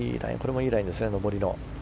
いいラインですね、上りの。